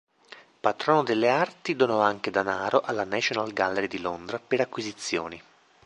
Patrono delle arti, donò anche danaro alla National Gallery di Londra per acquisizioni.